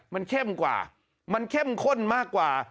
มันเข้มกว่ามันเข้มข้นมากกว่า